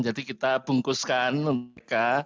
jadi kita bungkuskan mereka